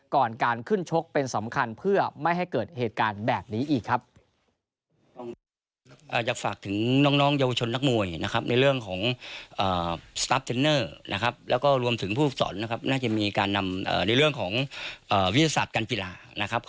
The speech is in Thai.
ก่อนการขึ้นชกเป็นสำคัญเพื่อไม่ให้เกิดเหตุการณ์แบบนี้อีกครับ